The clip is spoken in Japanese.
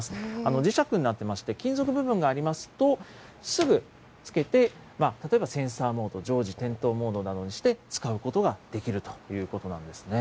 磁石になっていまして、金属部分がありますと、すぐつけて、例えばセンサーモード、常時点灯モードなどにして、使うことができるということなんですね。